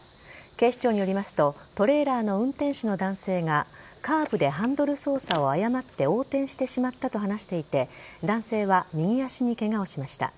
警視庁によりますとトレーラーの運転手の男性がカーブでハンドル操作を誤って横転してしまったと話していて男性は右足にケガをしました。